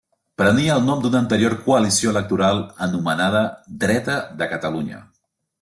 Prenia el nom d'una anterior coalició electoral anomenada Dreta de Catalunya.